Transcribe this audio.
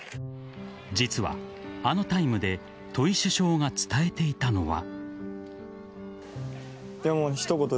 実は、あのタイムで戸井主将が伝えていたのは。